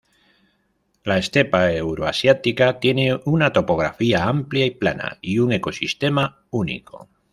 La estepa euroasiática tiene una topografía amplia y plana, y un ecosistema único.